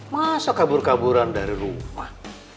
masa kabur kaburan dari rumah